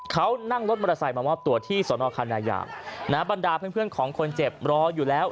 เขานั่งรถมอเตอร์ไซค์มามอบตัวที่สนคณะาบรรดาเพื่อนของคนเจ็บรออยู่แล้ว